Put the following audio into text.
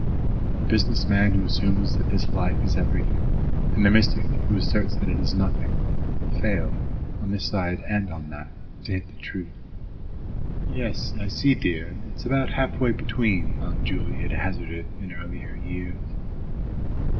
The business man who assumes that this life is everything, and the mystic who asserts that it is nothing, fail, on this side and on that, to hit the truth. "Yes, I see, dear; it's about halfway between," Aunt Juley had hazarded in earlier years.